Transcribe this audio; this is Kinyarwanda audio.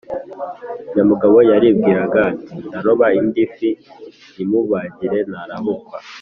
Nyamugabo yaribwiraga ati: “Ndaroba indi fi nyimubagire ntarabukwa.”